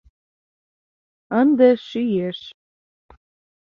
Ынде шӱеш